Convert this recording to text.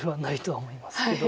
はい。